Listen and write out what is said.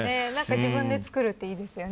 自分で作るっていいですよね。